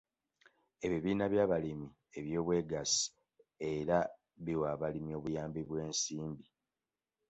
Ebibiina by'abalimi eby'obwegassi era biwa abalimi obuyambi bw'ensimbi.